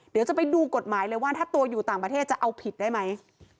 เดี๋ยวจะไปดูกฎหมายเลยว่าถ้าตัวอยู่ต่างประเทศจะเอาผิดได้ไหม